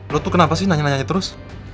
lu tuh kenapa sih nanya nanya terus